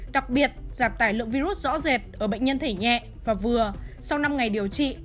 đặc biệt giảm tải lượng virus rõ rệt ở bệnh nhân thể nhẹ và vừa sau năm ngày điều trị